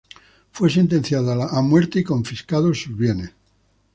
Fue sentenciado a la muerte y confiscados sus bienes.